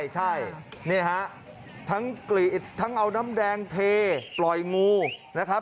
ใช่นี่ฮะทั้งเอาน้ำแดงเทปล่อยงูนะครับ